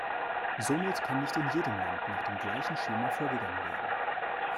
Somit kann nicht in jedem Land nach dem gleichen Schema vorgegangen werden.